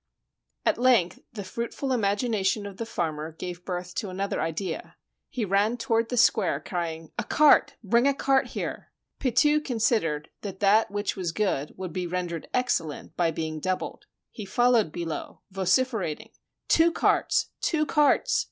] At length the fruitful imagination of the farmer gave birth to another idea. He ran toward the square, crying; "A cart! Bring a cart here!" Pitou considered that that which was good would be rendered excellent by being doubled. He followed Billot, vociferating, — "Two carts! two carts!"